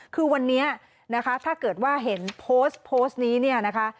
คือวันนี้นะคะถ้าเกิดว่าเห็นโพสต์โพสต์นี้เนี่ยนะคะ